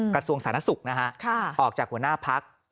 กระทรวงสาธารณสุขนะฮะออกจากหัวหน้าพัก